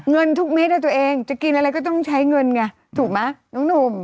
เงินทุกเม็ดตัวเองจะกินอะไรก็ต้องใช้เงินไงถูกไหมน้องหนุ่ม